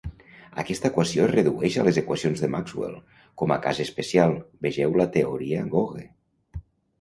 Aquesta equació es redueix a les equacions de Maxwell com a cas especial; vegeu la teoria gauge.